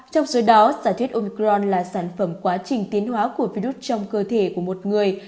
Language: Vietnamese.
trong số đó giả thuyết omicron là sản phẩm quá trình tiến hóa của virus trong cơ thể của một người